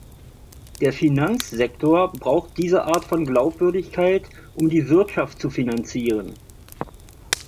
Der Finanzsektor braucht diese Art von Glaubwürdigkeit, um die Wirtschaft zu finanzieren.